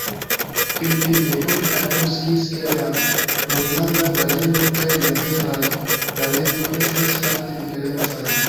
Finfine, oni agnoskis, ke la Gronlanda baleno kaj la veraj balenoj estas fakte diferencaj.